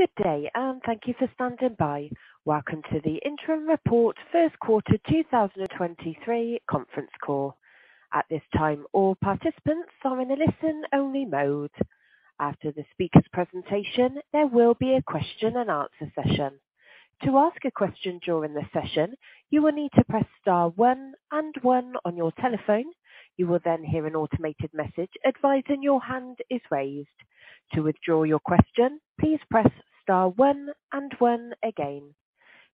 Good day. Thank you for standing by. Welcome to the interim report first quarter 2023 conference call. At this time, all participants are in a listen-only mode. After the speaker's presentation, there will be a question and answer session. To ask a question during the session, you will need to press star one and one on your telephone. You will then hear an automated message advising your hand is raised. To withdraw your question, please press star one and one again.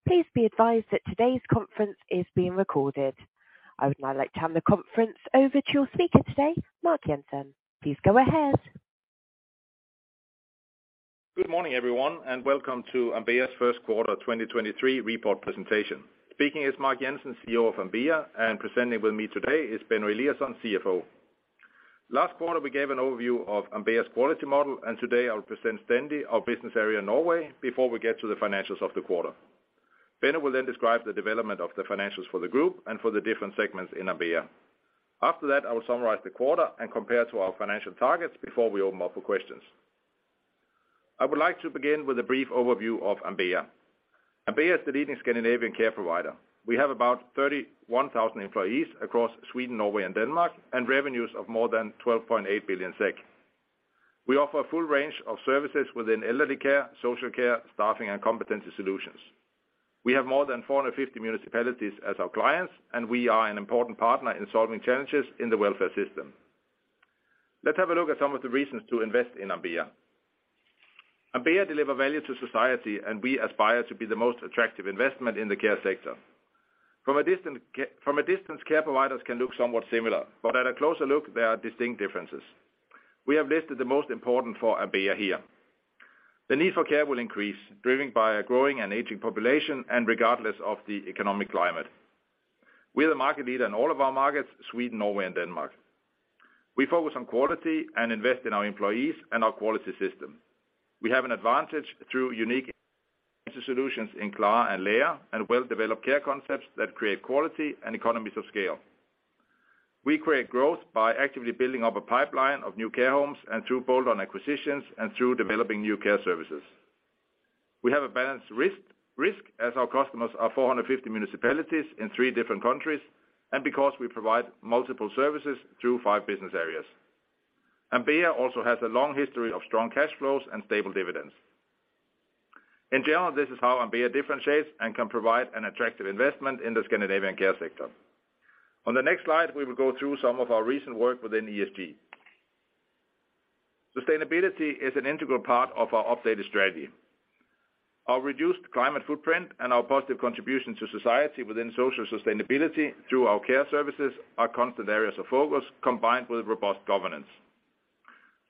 Please be advised that today's conference is being recorded. I would now like to hand the conference over to your speaker today, Mark Jensen. Please go ahead. Good morning, everyone, and welcome to Ambea's first quarter 2023 report presentation. Speaking is Mark Jensen, CEO of Ambea, and presenting with me today is Benno Eliasson, CFO. Last quarter, we gave an overview of Ambea's quality model, and today I'll present Stendi, our business area in Norway, before we get to the financials of the quarter. Benno will describe the development of the financials for the group and for the different segments in Ambea. After that, I will summarize the quarter and compare to our financial targets before we open up for questions. I would like to begin with a brief overview of Ambea. Ambea is the leading Scandinavian care provider. We have about 31,000 employees across Sweden, Norway, and Denmark, and revenues of more than 12.8 billion SEK. We offer a full range of services within elderly care, social care, staffing, and competency solutions. We have more than 450 municipalities as our clients. We are an important partner in solving challenges in the welfare system. Let's have a look at some of the reasons to invest in Ambea. Ambea deliver value to society. We aspire to be the most attractive investment in the care sector. From a distance, care providers can look somewhat similar. At a closer look, there are distinct differences. We have listed the most important for Ambea here. The need for care will increase, driven by a growing and aging population. Regardless of the economic climate. We're the market leader in all of our markets: Sweden, Norway, and Denmark. We focus on quality and invest in our employees and our quality system. We have an advantage through unique solutions in Klara and Lära and well-developed care concepts that create quality and economies of scale. We create growth by actively building up a pipeline of new care homes and through bolt-on acquisitions and through developing new care services. We have a balanced risk as our customers are 450 municipalities in three different countries and because we provide multiple services through five business areas. Ambea also has a long history of strong cash flows and stable dividends. In general, this is how Ambea differentiates and can provide an attractive investment in the Scandinavian care sector. On the next slide, we will go through some of our recent work within ESG. Sustainability is an integral part of our updated strategy. Our reduced climate footprint and our positive contribution to society within social sustainability through our care services are constant areas of focus combined with robust governance.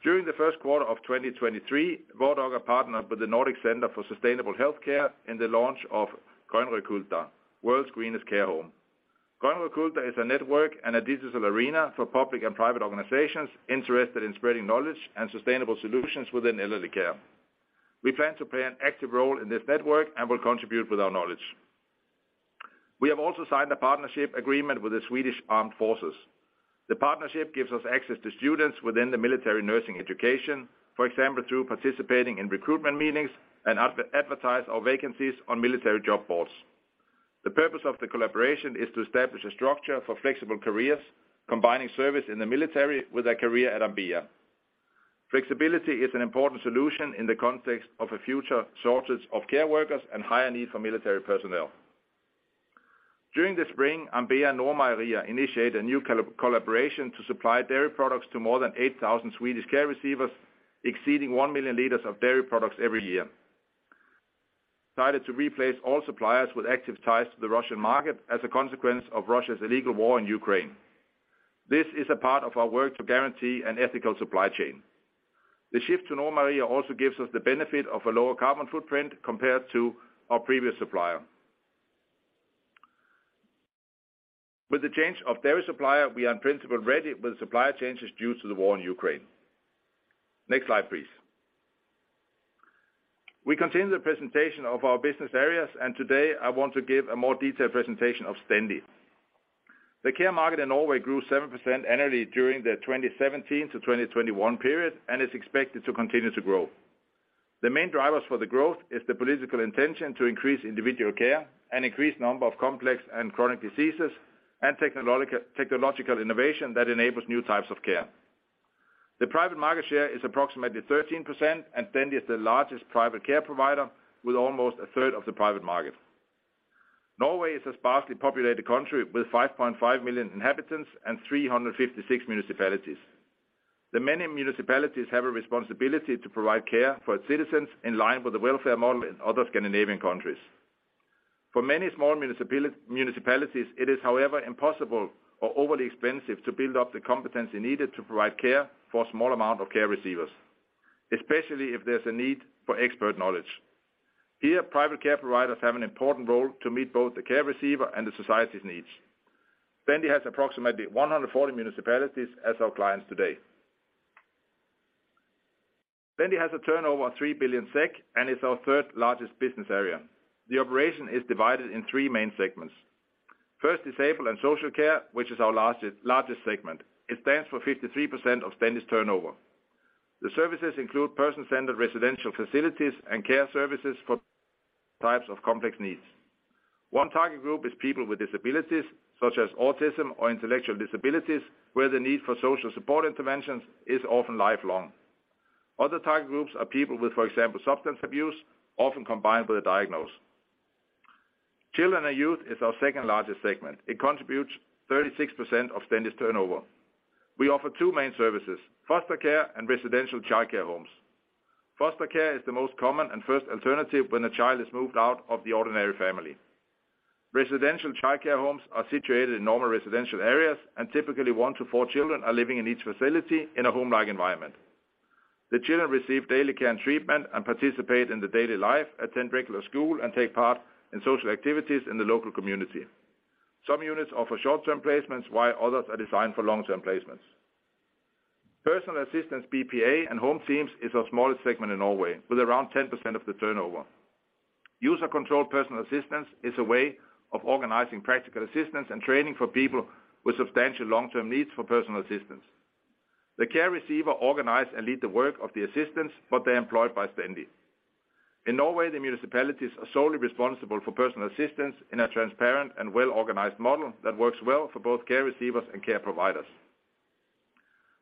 During the first quarter of 2023, Vardaga partner with the Nordic Center for Sustainable Healthcare in the launch of Grønnrökulta, world's greenest care home. Grønnrökulta is a network and a digital arena for public and private organizations interested in spreading knowledge and sustainable solutions within elderly care. We plan to play an active role in this network and will contribute with our knowledge. We have also signed a partnership agreement with the Swedish Armed Forces. The partnership gives us access to students within the military nursing education, for example, through participating in recruitment meetings and advertise our vacancies on military job boards. The purpose of the collaboration is to establish a structure for flexible careers, combining service in the military with a career at Ambea. Flexibility is an important solution in the context of a future shortage of care workers and higher need for military personnel. During the spring, Ambea and Norrmejerier initiate a new collaboration to supply dairy products to more than 8,000 Swedish care receivers, exceeding 1 million liters of dairy products every year. Decided to replace all suppliers with active ties to the Russian market as a consequence of Russia's illegal war in Ukraine. This is a part of our work to guarantee an ethical supply chain. The shift to Norrmejerier also gives us the benefit of a lower carbon footprint compared to our previous supplier. With the change of dairy supplier, we are in principle ready with supplier changes due to the war in Ukraine. Next slide, please. We continue the presentation of our business areas. Today I want to give a more detailed presentation of Stendi. The care market in Norway grew 7% annually during the 2017 to 2021 period and is expected to continue to grow. The main drivers for the growth is the political intention to increase individual care and increased number of complex and chronic diseases and technological innovation that enables new types of care. The private market share is approximately 13%. Stendi is the largest private care provider with almost a third of the private market. Norway is a sparsely populated country with 5.5 million inhabitants and 356 municipalities. The many municipalities have a responsibility to provide care for its citizens in line with the welfare model in other Scandinavian countries. For many small municipalities, it is, however, impossible or overly expensive to build up the competency needed to provide care for a small amount of care receivers, especially if there's a need for expert knowledge. Here, private care providers have an important role to meet both the care receiver and the society's needs. Stendi has approximately 140 municipalities as our clients today. Stendi has a turnover of 3 billion SEK and is our third largest business area. The operation is divided in three main segments. First, disabled and social care, which is our largest segment. It stands for 53% of Stendi's turnover. The services include person-centered residential facilities and care services for types of complex needs. One target group is people with disabilities, such as autism or intellectual disabilities, where the need for social support interventions is often lifelong. Other target groups are people with, for example, substance abuse, often combined with a diagnosis. Children and youth is our second-largest segment. It contributes 36% of Stendi's turnover. We offer two main services, foster care and residential childcare homes. Foster care is the most common and first alternative when a child is moved out of the ordinary family. Residential childcare homes are situated in normal residential areas, and typically one to four children are living in each facility in a home-like environment. The children receive daily care and treatment and participate in the daily life, attend regular school, and take part in social activities in the local community. Some units offer short-term placements, while others are designed for long-term placements. Personal assistance, BPA, and home teams is our smallest segment in Norway, with around 10% of the turnover. User-controlled personal assistance is a way of organizing practical assistance and training for people with substantial long-term needs for personal assistance. The care receiver organize and lead the work of the assistants, but they're employed by Stendi. In Norway, the municipalities are solely responsible for personal assistance in a transparent and well-organized model that works well for both care receivers and care providers.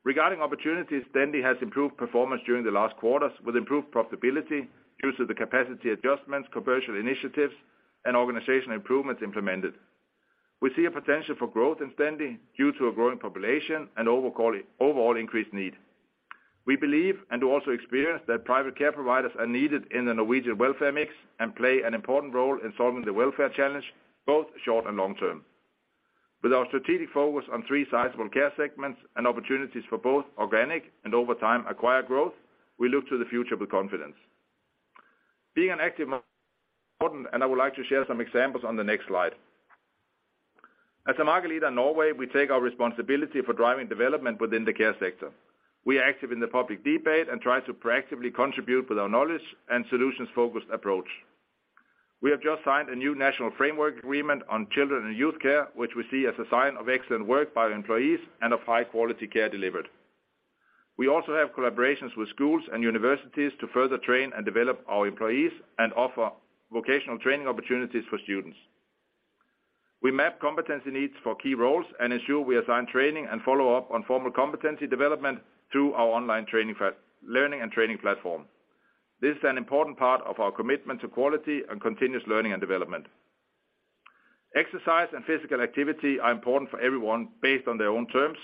Regarding opportunities, Stendi has improved performance during the last quarters with improved profitability due to the capacity adjustments, commercial initiatives, and organizational improvements implemented. We see a potential for growth in Stendi due to a growing population and overall increased need. We believe and also experience that private care providers are needed in the Norwegian welfare mix and play an important role in solving the welfare challenge, both short and long term. With our strategic focus on three sizable care segments and opportunities for both organic and, over time, acquired growth, we look to the future with confidence. Being an active important, and I would like to share some examples on the next slide. As a market leader in Norway, we take our responsibility for driving development within the care sector. We are active in the public debate and try to proactively contribute with our knowledge and solutions-focused approach. We have just signed a new national framework agreement on children and youth care, which we see as a sign of excellent work by our employees and of high-quality care delivered. We also have collaborations with schools and universities to further train and develop our employees and offer vocational training opportunities for students. We map competency needs for key roles and ensure we assign training and follow up on formal competency development through our online learning-and-training platform. This is an important part of our commitment to quality and continuous learning and development. Exercise and physical activity are important for everyone based on their own terms.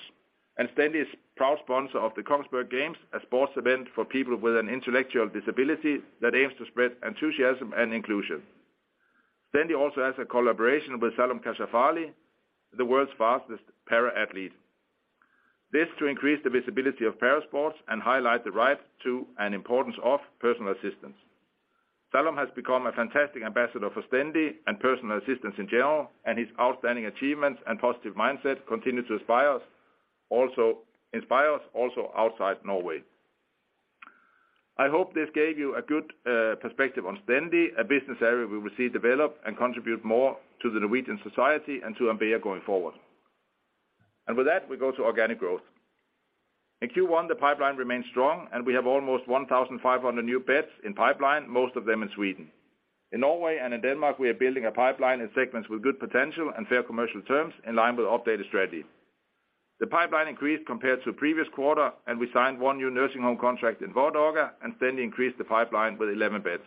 Stendi is a proud sponsor of the Kongsberg Games, a sports event for people with an intellectual disability that aims to spread enthusiasm and inclusion. Stendi also has a collaboration with Salum Kashafali, the world's fastest para athlete. This to increase the visibility of para sports and highlight the right to, and importance of, personal assistance. Salum has become a fantastic ambassador for Stendi and personal assistance in general. His outstanding achievements and positive mindset continue to inspire us also outside Norway. I hope this gave you a good perspective on Stendi, a business area we will see develop and contribute more to the Norwegian society and to Ambea going forward. With that, we go to organic growth. In Q1, the pipeline remained strong, and we have almost 1,500 new beds in pipeline, most of them in Sweden. In Norway and in Denmark, we are building a pipeline in segments with good potential and fair commercial terms in line with updated strategy. The pipeline increased compared to the previous quarter, and we signed one new nursing home contract in Vardaga, and Stendi increased the pipeline with 11 beds.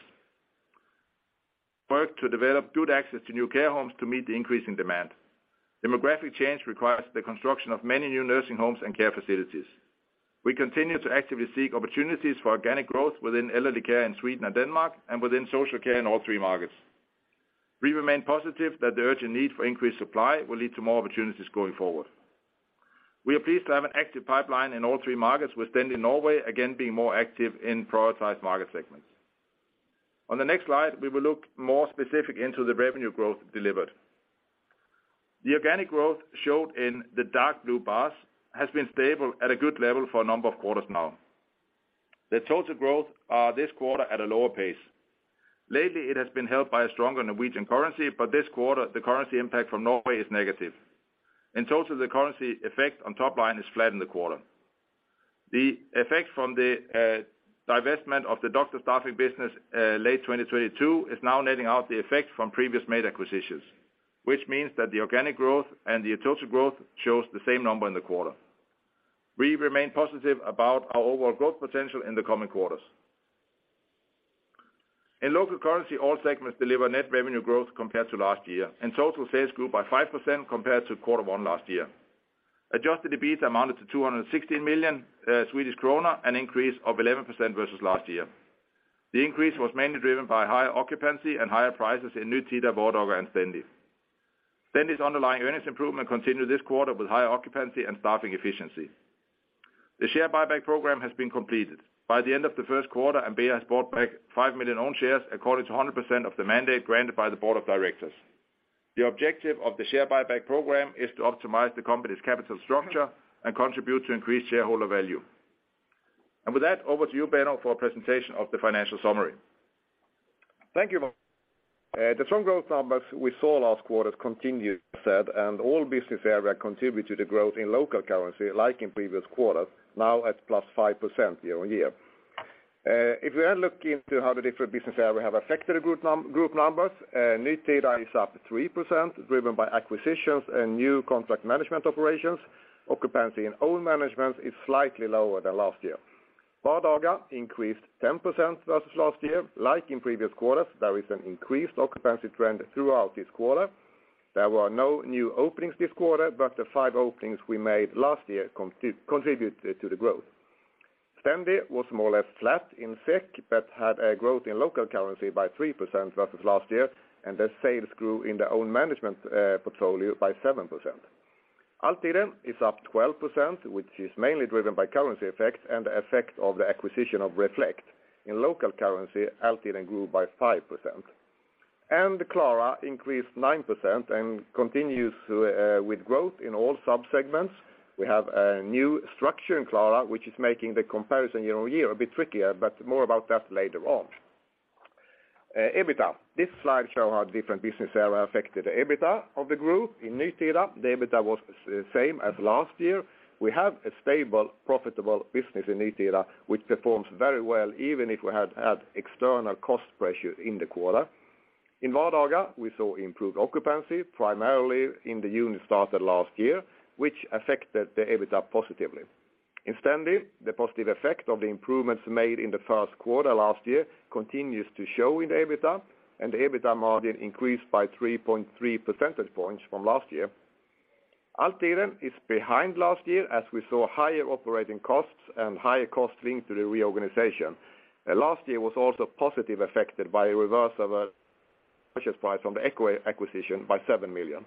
Work to develop good access to new care homes to meet the increasing demand. Demographic change requires the construction of many new nursing homes and care facilities. We continue to actively seek opportunities for organic growth within elderly care in Sweden and Denmark and within social care in all three markets. We remain positive that the urgent need for increased supply will lead to more opportunities going forward. We are pleased to have an active pipeline in all three markets, with Stendi Norway again being more active in prioritized market segments. On the next slide, we will look more specific into the revenue growth delivered. The organic growth showed in the dark blue bars has been stable at a good level for a number of quarters now. The total growth are this quarter at a lower pace. Lately, it has been helped by a stronger Norwegian currency, but this quarter the currency impact from Norway is negative. In total, the currency effect on top line is flat in the quarter. The effect from the divestment of the doctor staffing business late 2022 is now letting out the effect from previous made acquisitions, which means that the organic growth and the total growth shows the same number in the quarter. We remain positive about our overall growth potential in the coming quarters. In local currency, all segments deliver net revenue growth compared to last year, and total sales grew by 5% compared to Q1 last year. Adjusted EBITA amounted to 216 million Swedish kronor, an increase of 11% versus last year. The increase was mainly driven by higher occupancy and higher prices in Nytida, Vardaga, and Stendi. Stendi's underlying earnings improvement continued this quarter with higher occupancy and staffing efficiency. The share buyback program has been completed. By the end of the first quarter, Ambea has bought back 5 million own shares according to 100% of the mandate granted by the board of directors. The objective of the share buyback program is to optimize the company's capital structure and contribute to increased shareholder value. With that over to you, Benno, for a presentation of the financial summary. Thank you. The strong growth numbers we saw last quarter continued, and all business area contributed to the growth in local currency like in previous quarters, now at +5% year-on-year. If we look into how the different business area have affected the group numbers, Nytida is up 3%, driven by acquisitions and new contract management operations. Occupancy in own management is slightly lower than last year. Vardaga increased 10% versus last year. Like in previous quarters, there is an increased occupancy trend throughout this quarter. There were no new openings this quarter, but the five openings we made last year contributed to the growth. Stendi was more or less flat in SEK, but had a growth in local currency by 3% versus last year, and the sales grew in their own management portfolio by 7%. Altiden is up 12%, which is mainly driven by currency effects and the effect of the acquisition of Reflect. In local currency, Altiden grew by 5%. Klara increased 9% and continues with growth in all sub-segments. We have a new structure in Klara, which is making the comparison year-on-year a bit trickier, but more about that later on. EBITDA. This slide show how different business area affected the EBITDA of the group. In Nytida, the EBITDA was same as last year. We have a stable, profitable business in Nytida, which performs very well, even if we had external cost pressure in the quarter. In Vardaga, we saw improved occupancy, primarily in the units started last year, which affected the EBITDA positively. In Stendi, the positive effect of the improvements made in the first quarter last year continues to show in the EBITDA, and the EBITDA margin increased by 3.3 percentage points from last year. Altiden is behind last year as we saw higher operating costs and higher costs linked to the reorganization. Last year was also positive affected by a reverse of a purchase price on the acquisition by 7 million.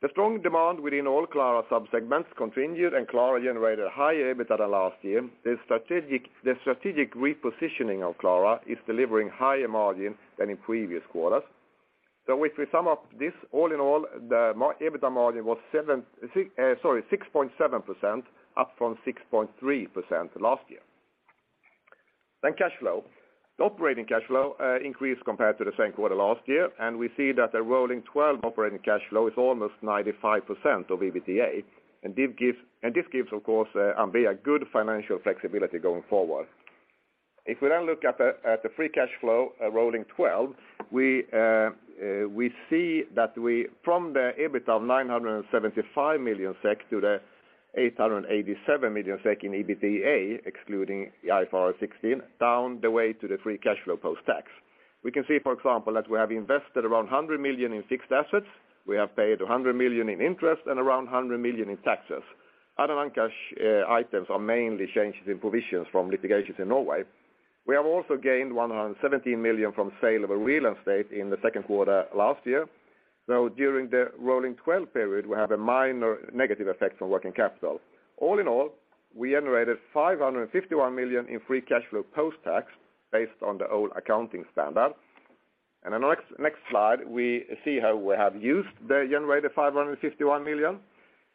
The strong demand within all Klara sub-segments continued, and Klara generated higher EBITDA last year. The strategic repositioning of Klara is delivering higher margin than in previous quarters. If we sum up this all in all, the EBITDA margin was 6.7%, up from 6.3% last year. Cash flow. The operating cash flow increased compared to the same quarter last year. We see that a rolling twelve operating cash flow is almost 95% of EBITDA. This gives, of course, Ambea good financial flexibility going forward. If we now look at the free cash flow, rolling twelve, we see that from the EBITDA 975 million SEK to the 887 million SEK in EBITDA, excluding the IFRS 16, down the way to the free cash flow post-tax. We can see, for example, that we have invested around 100 million in fixed assets. We have paid 100 million in interest and around 100 million in taxes. Other non-cash items are mainly changes in provisions from litigations in Norway. We have also gained 117 million from sale of a real estate in the second quarter last year. During the rolling twelve period, we have a minor negative effect on working capital. All in all, we generated 551 million in free cash flow post-tax based on the old accounting standard. In our next slide, we see how we have used the generated 551 million.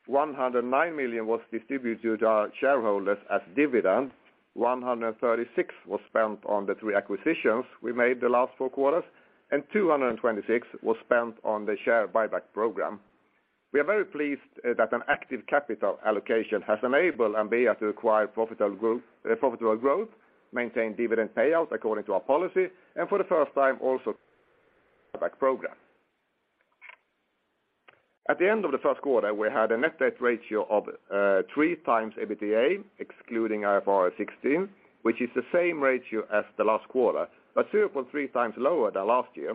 109 million was distributed to our shareholders as dividend. 136 million was spent on the three acquisitions we made the last four quarters, and 226 million was spent on the share buyback program. We are very pleased that an active capital allocation has enabled Ambea to acquire profitable group, profitable growth, maintain dividend payout according to our policy, and for the first time, also buyback program. At the end of the first quarter, we had a net debt ratio of 3x EBITDA, excluding IFRS 16, which is the same ratio as the last quarter, but 2.3x lower than last year.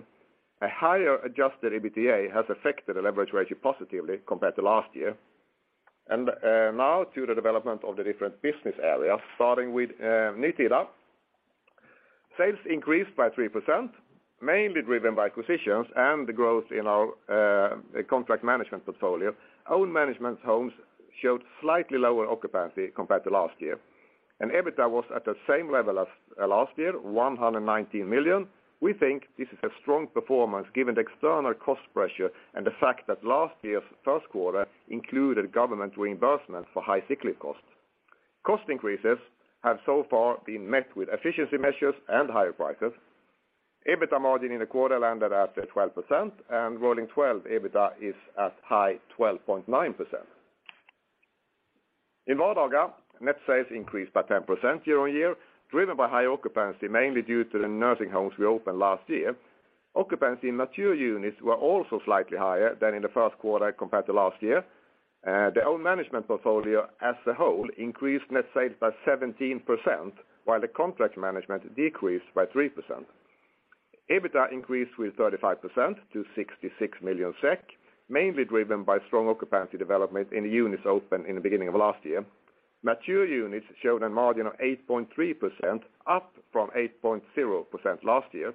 A higher adjusted EBITDA has affected the leverage ratio positively compared to last year. Now to the development of the different business areas, starting with Nytida. Sales increased by 3%, mainly driven by acquisitions and the growth in our contract management portfolio. Own management homes showed slightly lower occupancy compared to last year. EBITDA was at the same level as last year, 119 million. We think this is a strong performance given the external cost pressure and the fact that last year's first quarter included government reimbursement for high cyclic costs. Cost increases have so far been met with efficiency measures and higher prices. EBITDA margin in the quarter landed at 12%, and rolling 12 EBITDA is at 12.9%. In Vardaga, net sales increased by 10% year-on-year, driven by high occupancy, mainly due to the nursing homes we opened last year. Occupancy in mature units were also slightly higher than in the first quarter compared to last year. The own management portfolio as a whole increased net sales by 17%, while the contract management decreased by 3%. EBITDA increased with 35% to 66 million SEK, mainly driven by strong occupancy development in the units opened in the beginning of last year. Mature units showed a margin of 8.3%, up from 8.0% last year.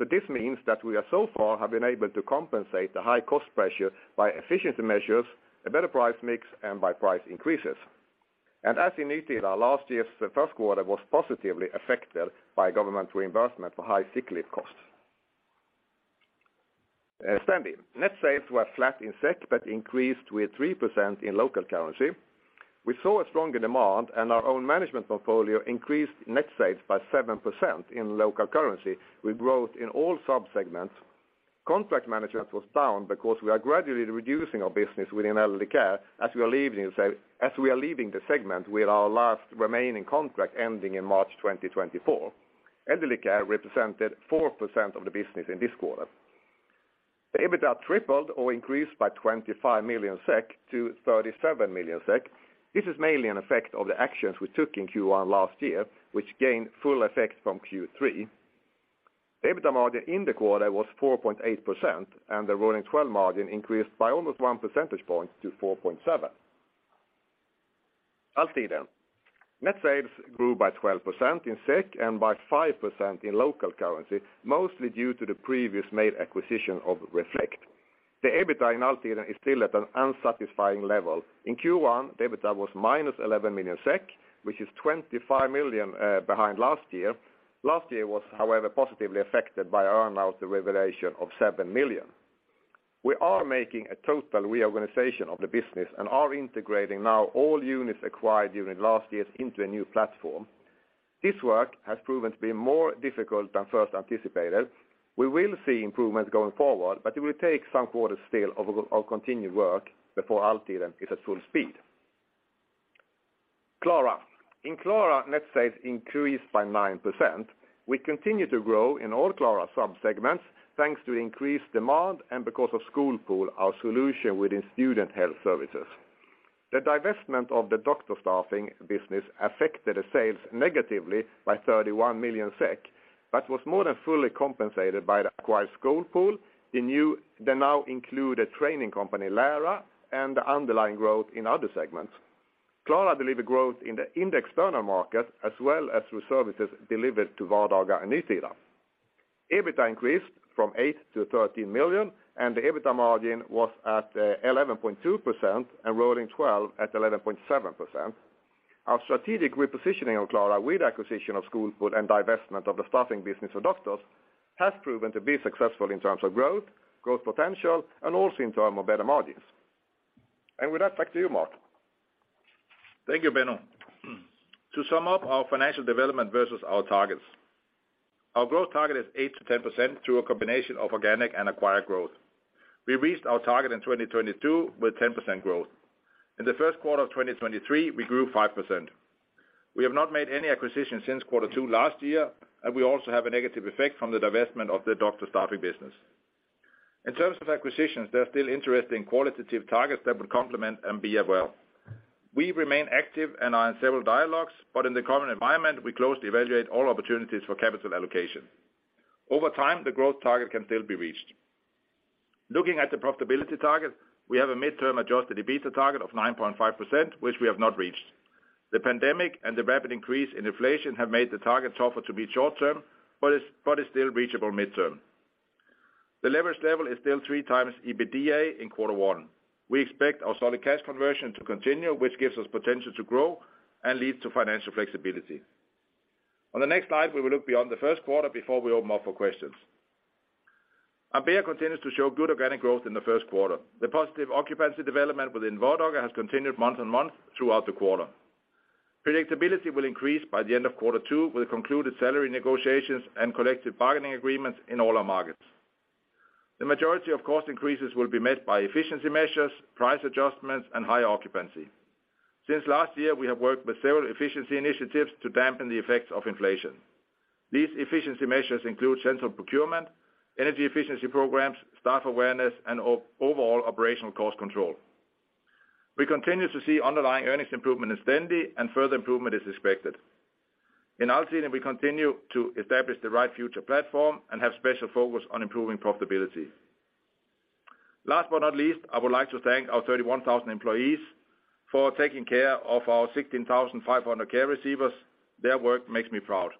This means that we are so far have been able to compensate the high cost pressure by efficiency measures, a better price mix, and by price increases. As in Nytida, last year's first quarter was positively affected by government reimbursement for high cyclic costs. Stendi. Net sales were flat in SEK, but increased with 3% in local currency. We saw a stronger demand, our own management portfolio increased net sales by 7% in local currency with growth in all sub-segments. Contract management was down because we are gradually reducing our business within elderly care as we are leaving the segment with our last remaining contract ending in March 2024. Elderly care represented 4% of the business in this quarter. EBITDA tripled or increased by 25 million-37 million SEK. This is mainly an effect of the actions we took in Q1 last year, which gained full effect from Q3. EBITDA margin in the quarter was 4.8%, and the rolling twelve margin increased by almost 1 percentage point to 4.7%. Altiden. Net sales grew by 12% in SEK and by 5% in local currency, mostly due to the previous made acquisition of Reflect. The EBITDA in Altiden is still at an unsatisfying level. In Q1, the EBITDA was -11 million SEK, which is 25 million behind last year. Last year was, however, positively affected by earn out the revelation of 7 million. We are making a total reorganization of the business and are integrating now all units acquired during last years into a new platform. This work has proven to be more difficult than first anticipated. We will see improvements going forward, but it will take some quarters still of continued work before Altiden is at full speed. Klara. In Klara, net sales increased by 9%. We continue to grow in all Klara sub-segments, thanks to increased demand and because of SkolPool, our solution within student health services. The divestment of the doctor staffing business affected the sales negatively by 31 million SEK, but was more than fully compensated by the acquired SkolPool, the now included training company, Lära, and the underlying growth in other segments. Klara delivered growth in the external märket as well as through services delivered to Vardaga and Nytida. EBITDA increased from 8 million- 13 million, and the EBITDA margin was at 11.2% and rolling twelve at 11.7%. Our strategic repositioning of Klara with acquisition of SkolPool and divestment of the staffing business of doctors has proven to be successful in terms of growth potential, and also in term of better margins. With that, back to you, Mark. Thank you, Benno. To sum up our financial development versus our targets. Our growth target is 8%-10% through a combination of organic and acquired growth. We reached our target in 2022 with 10% growth. In the first quarter of 2023, we grew 5%. We have not made any acquisitions since quarter two last year, and we also have a negative effect from the divestment of the doctor staffing business. In terms of acquisitions, there are still interesting qualitative targets that would complement Ambea well. We remain active and are in several dialogues, but in the current environment, we closely evaluate all opportunities for capital allocation. Over time, the growth target can still be reached. Looking at the profitability target, we have a midterm Adjusted EBITDA target of 9.5%, which we have not reached. The pandemic and the rapid increase in inflation have made the target tougher to beat short term, but is still reachable midterm. The leverage level is still 3x EBITDA in quarter one. We expect our solid cash conversion to continue, which gives us potential to grow and leads to financial flexibility. On the next slide, we will look beyond the first quarter before we open up for questions. Ambea continues to show good organic growth in the first quarter. The positive occupancy development within Vardaga has continued month on month throughout the quarter. Predictability will increase by the end of quarter two with concluded salary negotiations and collective bargaining agreements in all our markets. The majority of cost increases will be met by efficiency measures, price adjustments, and higher occupancy. Since last year, we have worked with several efficiency initiatives to dampen the effects of inflation. These efficiency measures include central procurement, energy efficiency programs, staff awareness, and overall operational cost control. We continue to see underlying earnings improvement in Stendi, and further improvement is expected. In Altiden, we continue to establish the right future platform and have special focus on improving profitability. Last but not least, I would like to thank our 31,000 employees for taking care of our 16,500 care receivers. Their work makes me proud.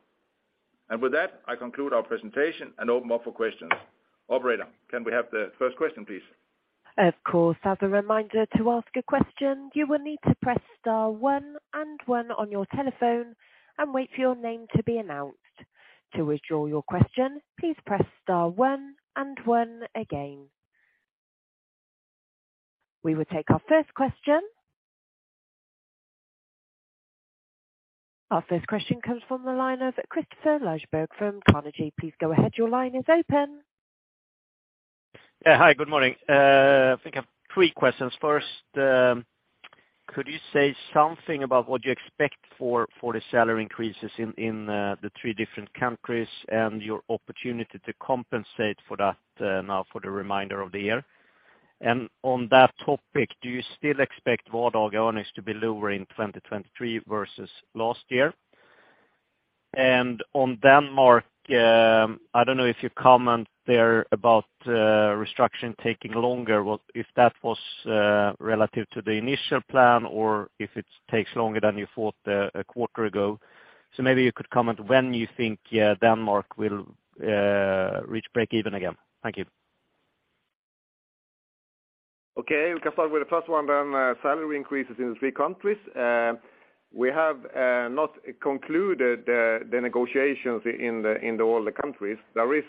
With that, I conclude our presentation and open up for questions. Operator, can we have the first question, please? Of course. As a reminder, to ask a question, you will need to press star one and one on your telephone and wait for your name to be announced. To withdraw your question, please press star one and one again. We will take our first question. Our first question comes from the line of Kristofer Liljeberg from Carnegie. Please go ahead. Your line is open. Hi, good morning. I think I have three questions. First, could you say something about what you expect for the salary increases in the three different countries and your opportunity to compensate for that now for the reminder of the year? On that topic, do you still expect Vardaga earnings to be lower in 2023 versus last year? On Denmark, I don't know if you comment there about restructuring taking longer. If that was relative to the initial plan or if it takes longer than you thought a quarter ago. Maybe you could comment when you think Denmark will reach break even again. Thank you. Okay, we can start with the first one then, salary increases in the three countries. We have not concluded the negotiations in all the countries. There is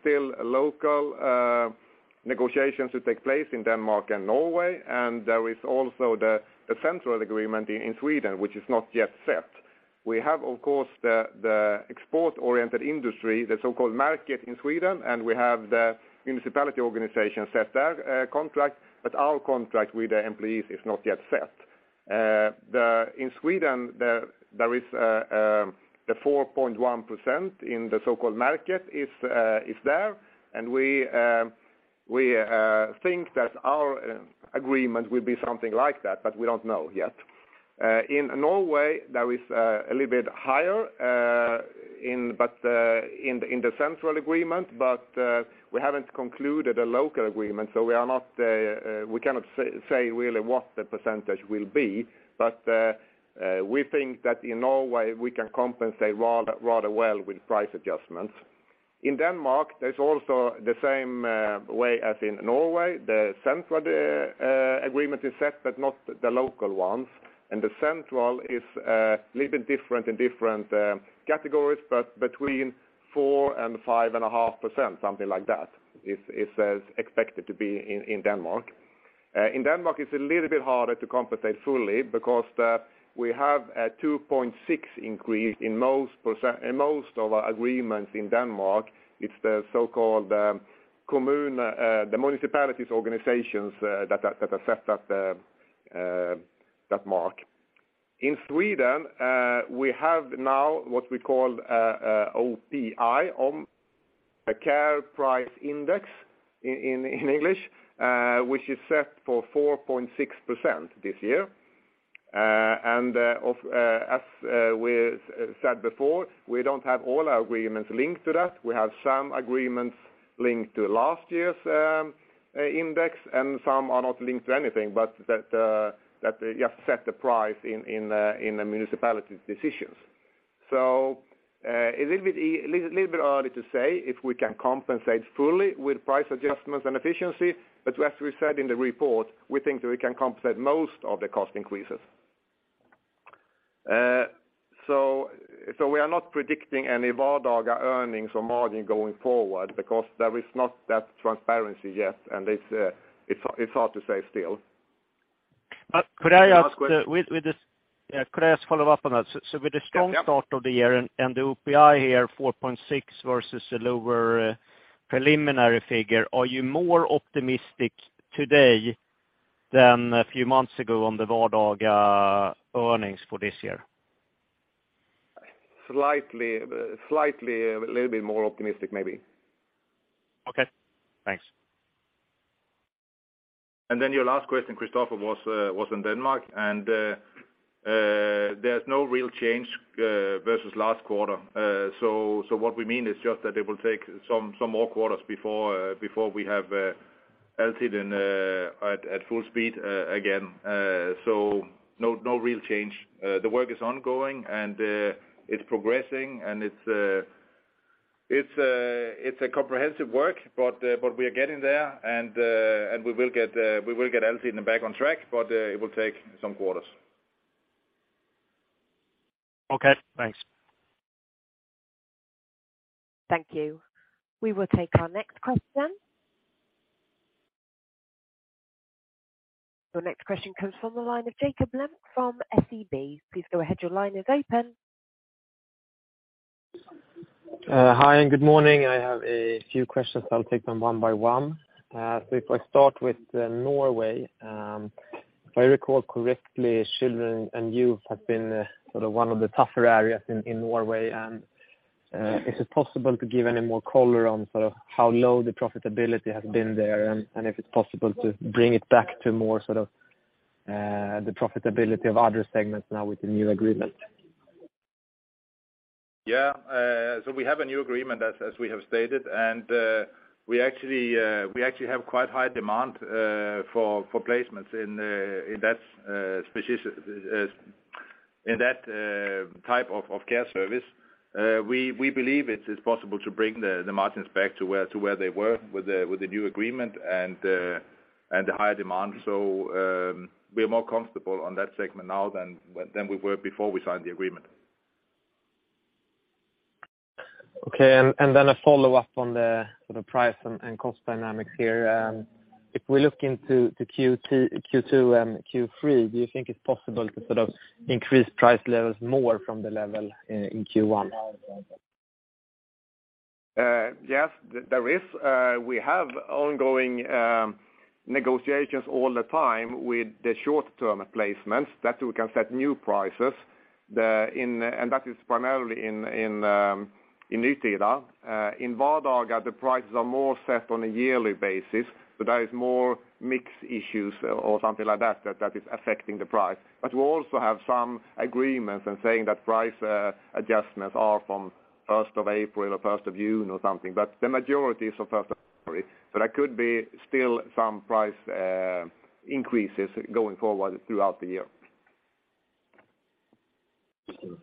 still local negotiations to take place in Denmark and Norway, and there is also the central agreement in Sweden, which is not yet set. We have, of course, the export-oriented industry, the so-called märket in Sweden, and we have the municipality organization set their contract, but our contract with the employees is not yet set. In Sweden there is the 4.1% in the so-called märket is there. We think that our agreement will be something like that, but we don't know yet. In Norway there is a little bit higher in the central agreement, we haven't concluded a local agreement, we cannot say really what the % will be. We think that in Norway we can compensate rather well with price adjustments. In Denmark, there's also the same way as in Norway. The central agreement is set, not the local ones. The central is a little bit different in different categories, between 4% and 5.5%, something like that is expected to be in Denmark. In Denmark it's a little bit harder to compensate fully because we have a 2.6% increase in most of our agreements in Denmark. It's the so-called kommun, the municipalities organizations, that affect that mark. In Sweden, we have now what we call OPI, a care price index in English, which is set for 4.6% this year. Of as we said before, we don't have all our agreements linked to that. We have some agreements linked to last year's index, and some are not linked to anything, but that just set the price in the municipality's decisions. A little bit early to say if we can compensate fully with price adjustments and efficiency, but as we said in the report, we think that we can compensate most of the cost increases. We are not predicting any Vardaga earnings or margin going forward because there is not that transparency yet, and it's hard to say still. Could I? Next question. Yeah, could I just follow up on that? Yeah. With the strong start of the year and the OPI here, 4.6 versus the lower preliminary figure, are you more optimistic today than a few months ago on the Vardaga earnings for this year? Slightly, a little bit more optimistic maybe. Okay, thanks. Your last question, Kristofer, was on Denmark, there's no real change versus last quarter. So what we mean is just that it will take some more quarters before we have Altiden at full speed again. So no real change. The work is ongoing, and it's progressing and it's a comprehensive work, but we are getting there, and we will get Altiden back on track, but it will take some quarters. Okay, thanks. Thank you. We will take our next question. Your next question comes from the line of Jakob Lembke from SEB. Please go ahead, your line is open. Hi, good morning. I have a few questions. I'll take them one by one. If I start with Norway, if I recall correctly, children and youth have been sort of one of the tougher areas in Norway. Is it possible to give any more color on sort of how low the profitability has been there, if it's possible to bring it back to more sort of the profitability of other segments now with the new agreement? We have a new agreement, as we have stated, we actually have quite high demand for placements in that type of care service. We believe it's possible to bring the margins back to where they were with the new agreement and the higher demand. We are more comfortable on that segment now than we were before we signed the agreement. Okay. Then a follow-up on the sort of price and cost dynamics here. if we look into the Q2 and Q3, do you think it's possible to sort of increase price levels more from the level in Q1? Yes, there is. We have ongoing negotiations all the time with the short-term placements that we can set new prices. That is primarily in Nytida. In Vardaga, the prices are more set on a yearly basis, so there is more mixed issues or something like that that is affecting the price. We also have some agreements in saying that price adjustments are from 1st of April or 1st of June or something. The majority is the 1st of February, but there could be still some price increases going forward throughout the year.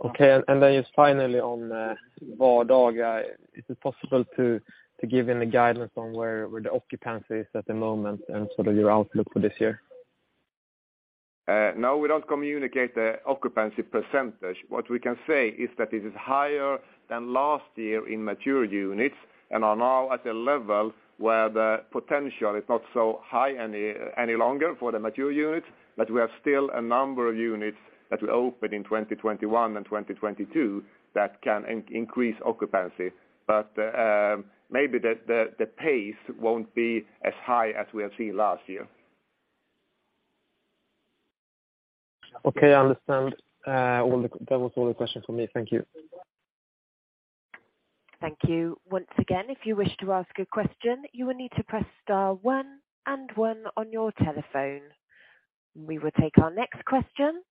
Okay. Just finally on Vardaga, is it possible to give any guidance on where the occupancy is at the moment and sort of your outlook for this year? No, we don't communicate the occupancy percentage. What we can say is that it is higher than last year in mature units and are now at a level where the potential is not so high any longer for the mature units. We have still a number of units that will open in 2021 and 2022 that can increase occupancy. Maybe the pace won't be as high as we have seen last year. Okay, I understand. That was all the questions for me. Thank you. Thank you. Once again, if you wish to ask a question, you will need to press star one and one on your telephone. We will take our next question.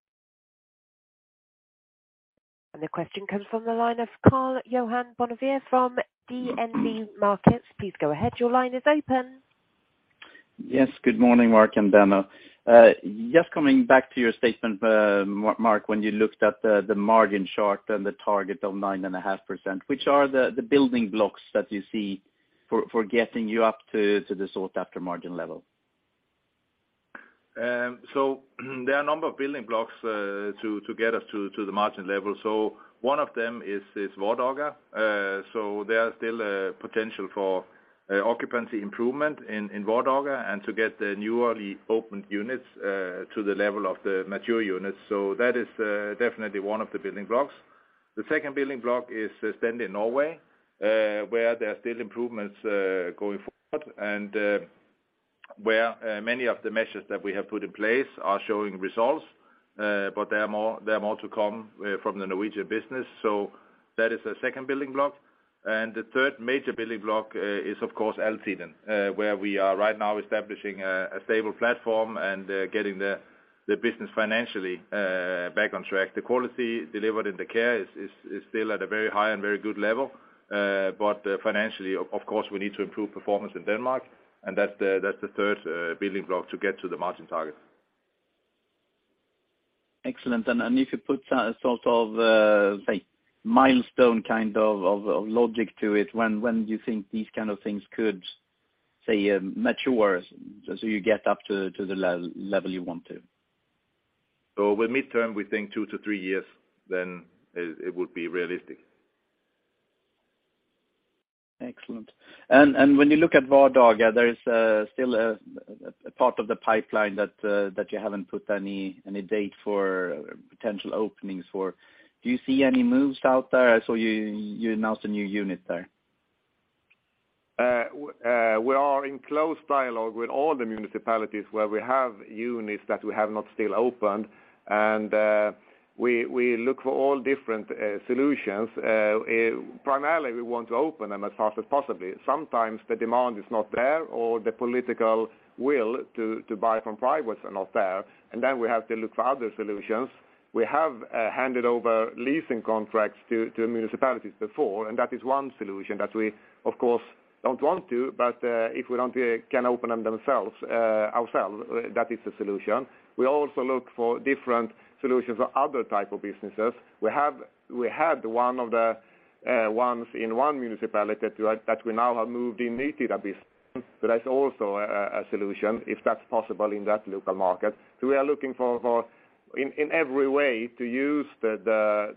The question comes from the line of Karl-Johan Bonnevier from DNB Markets. Please go ahead. Your line is open. Yes, good morning, Mark and Benno. Just coming back to your statement, Mark, when you looked at the margin chart and the target of 9.5%, which are the building blocks that you see for getting you up to the sought after margin level? There are a number of building blocks to get us to the margin level. One of them is Vardaga. There are still potential for occupancy improvement in Vardaga and to get the newly opened units to the level of the mature units. That is definitely one of the building blocks. The second building block is then in Norway, where there are still improvements going forward and where many of the measures that we have put in place are showing results. There are more to come from the Norwegian business. That is the second building block. The third major building block is, of course, Altiden, where we are right now establishing a stable platform and getting the business financially back on track. The quality delivered in the care is still at a very high and very good level. Financially, of course, we need to improve performance in Denmark, and that's the third building block to get to the margin target. Excellent. If you put a sort of, say, milestone kind of logic to it, when, do you think these kind of things could, say, mature so you get up to the level you want to? With midterm, we think two to three years, then it would be realistic. Excellent. When you look at Vardaga, there is still a part of the pipeline that you haven't put any date for potential openings for. Do you see any moves out there? I saw you announced a new unit there. We are in close dialogue with all the municipalities where we have units that we have not still opened. We look for all different solutions. Primarily, we want to open them as fast as possibly. Sometimes the demand is not there or the political will to buy from privates are not there. Then we have to look for other solutions. We have handed over leasing contracts to municipalities before, and that is one solution that we of course don't want to. If we don't can open them themselves, ourselves, that is a solution. We also look for different solutions for other type of businesses. We had one of the ones in one municipality that we now have moved in business. That's also a solution if that's possible in that local märket. We are looking for, in every way to use the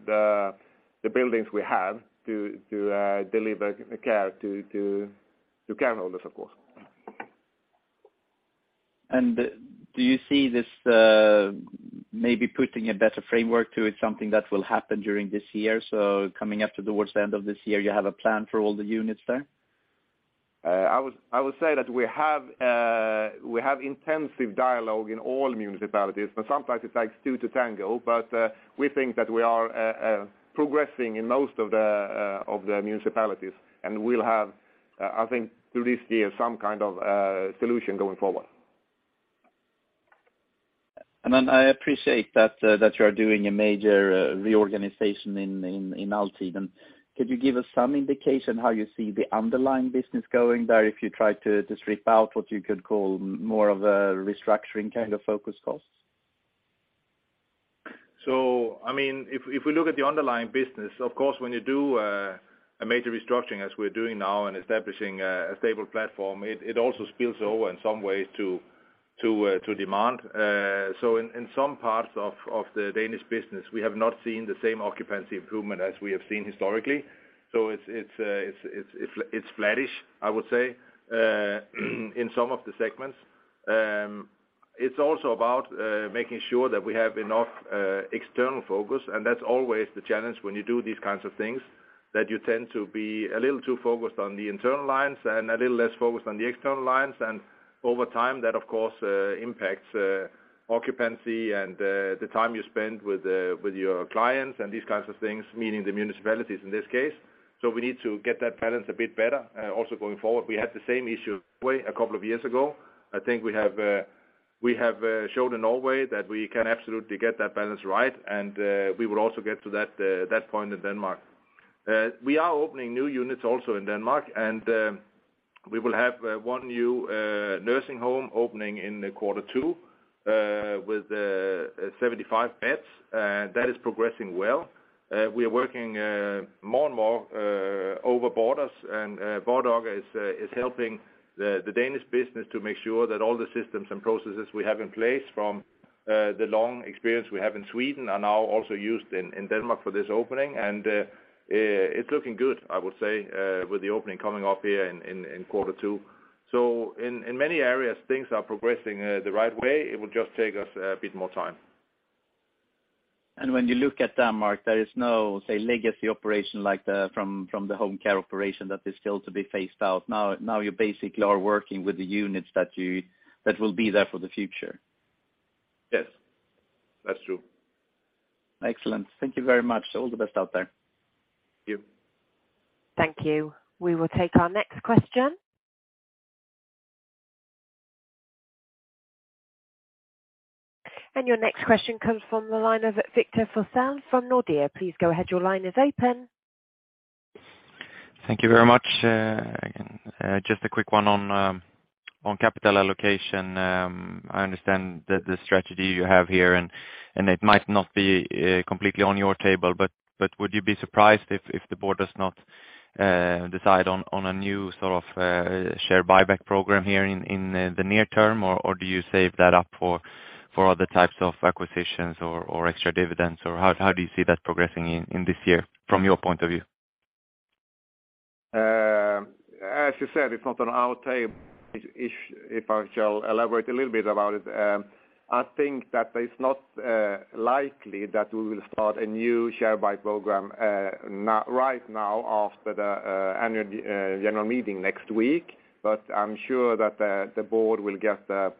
buildings we have to deliver care to care holders, of course. Do you see this, maybe putting a better framework to it, something that will happen during this year? Coming up towards the end of this year, you have a plan for all the units there? I would say that we have intensive dialogue in all municipalities, but sometimes it takes two to tango. We think that we are progressing in most of the municipalities, and we'll have, I think through this year, some kind of solution going forward. I appreciate that you are doing a major reorganization in Altiden. Could you give us some indication how you see the underlying business going there if you try to strip out what you could call more of a restructuring kind of focus costs? I mean, if we look at the underlying business, of course, when you do a major restructuring as we're doing now and establishing a stable platform, it also spills over in some ways to demand. In some parts of the Danish business, we have not seen the same occupancy improvement as we have seen historically. It's flattish, I would say in some of the segments. It's also about making sure that we have enough external focus, and that's always the challenge when you do these kinds of things, that you tend to be a little too focused on the internal lines and a little less focused on the external lines. Over time, that of course, impacts occupancy and the time you spend with your clients and these kinds of things, meaning the municipalities in this case. We need to get that balance a bit better also going forward. We had the same issue a couple of years ago. I think we have shown in Norway that we can absolutely get that balance right. We will also get to that point in Denmark. We are opening new units also in Denmark, and we will have one new nursing home opening in Q2 with 75 beds. That is progressing well. We are working more and more over borders. Vardaga is helping Altiden to make sure that all the systems and processes we have in place from the long experience we have in Sweden are now also used in Denmark for this opening. It's looking good, I would say, with the opening coming up here in Q2. In many areas, things are progressing the right way. It will just take us a bit more time. When you look at Denmark, there is no, say, legacy operation like the home care operation that is still to be phased out. Now you basically are working with the units that you that will be there for the future. Yes, that's true. Excellent. Thank you very much. All the best out there. Thank you. Thank you. We will take our next question. Your next question comes from the line of Victor Forssell from Nordea. Please go ahead. Your line is open. Thank you very much. Just a quick one on capital allocation. I understand the strategy you have here, and it might not be completely on your table, but would you be surprised if the board does not decide on a new sort of share buyback program here in the near term? Or do you save that up for other types of acquisitions or extra dividends? Or how do you see that progressing in this year from your point of view? As you said, it's not on our table. If, if I shall elaborate a little bit about it. I think that it's not likely that we will start a new share buy program right now after the annual general meeting next week. I'm sure that the board will get the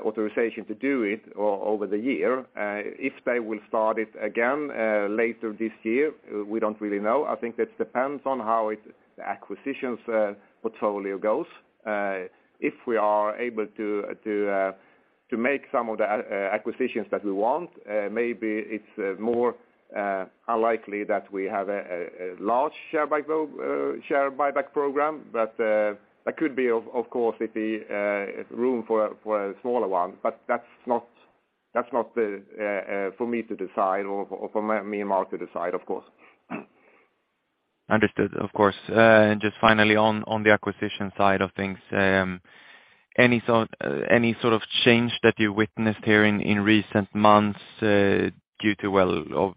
authorization to do it over the year. If they will start it again later this year, we don't really know. I think it depends on how the acquisitions portfolio goes. If we are able to make some of the acquisitions that we want, maybe it's more unlikely that we have a large share buyback program. That could be of course, it be room for a smaller one, but that's not for me to decide or for me and Mark to decide, of course. Understood, of course. Just finally on the acquisition side of things, any sort of change that you witnessed here in recent months, due to, well, of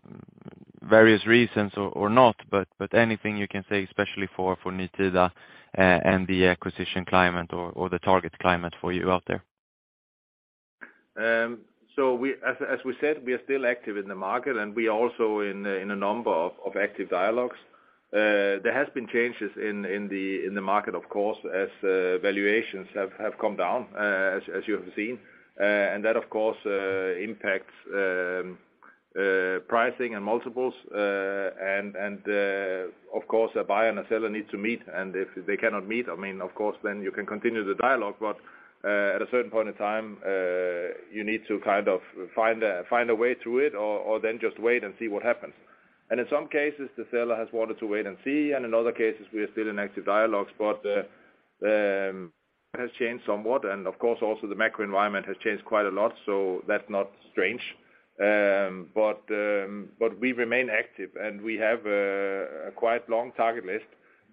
various reasons or not, but anything you can say especially for Nytida, and the acquisition climate or the target climate for you out there? As we said, we are still active in the märket, and we also in a number of active dialogues. There has been changes in the märket, of course, as valuations have come down, as you have seen. That of course impacts pricing and multiples. Of course a buyer and a seller need to meet, and if they cannot meet, I mean, of course then you can continue the dialogue, but at a certain point in time, you need to kind of find a way through it or then just wait and see what happens. In some cases the seller has wanted to wait and see, and in other cases we are still in active dialogues. It has changed somewhat and of course also the macro environment has changed quite a lot, so that's not strange. We remain active and we have quite long target list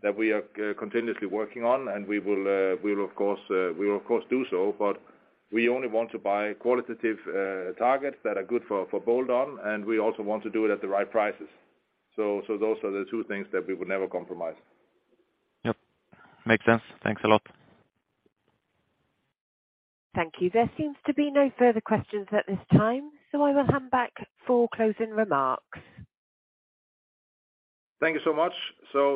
that we are continuously working on, and we will of course do so, but we only want to buy qualitative targets that are good for Ambea, and we also want to do it at the right prices. Those are the two things that we would never compromise. Yep. Makes sense. Thanks a lot. Thank you. There seems to be no further questions at this time, so I will hand back for closing remarks. Thank you so much.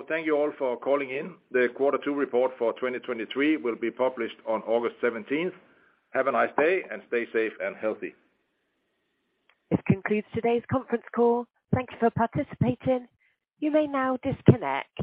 Thank you all for calling in. The quarter two report for 2023 will be published on August 17th. Have a nice day and stay safe and healthy. This concludes today's conference call. Thank you for participating. You may now disconnect.